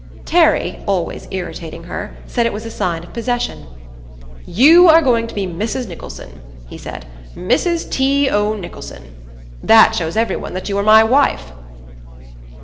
Terry, always irritating her, said it was a sign of possession. "You are going to be Mrs. Nicholson," he said. "Mrs. T. O. Nicholson. That shows everyone that you are my wife."